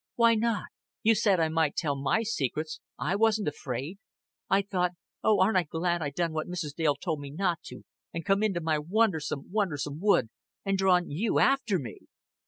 "Why not? You said I might tell my secrets. I wasn't afraid. I thought 'Oh, aren't I glad I done what Mrs. Dale told me not to and come into my wondersome, wondersome wood, and drawn you after me!'"